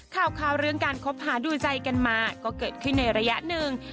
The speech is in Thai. ข่าวเรื่องการคบหาดูใจกันมาก็เกิดขึ้นในระยะหนึ่ง